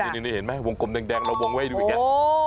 นี่เห็นไหมวงกลมแดงเราวงไว้ดูดิวิกัน